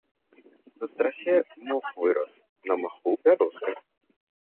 На страсе мох вырас, на маху бярозка.